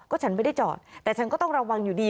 ก็ฉันไม่ได้จอดแต่ฉันก็ต้องระวังอยู่ดี